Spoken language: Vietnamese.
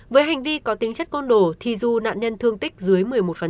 với hành vi có tính chất côn đồ thì du nạn nhân thương tích dưới một mươi một